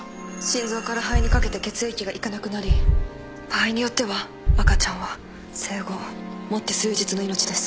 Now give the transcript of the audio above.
心臓から肺にかけて血液が行かなくなり場合によっては赤ちゃんは生後持って数日の命です。